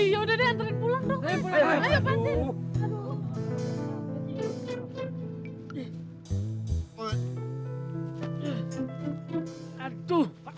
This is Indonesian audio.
ya udah deh anterin pulang dong mas